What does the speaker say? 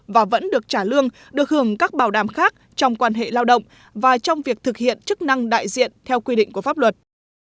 và vẫn được trả lương được hưởng các bảo đảm khác trong quan hệ lao động và trong việc thực hiện chức năng đại diện theo quy định của pháp luật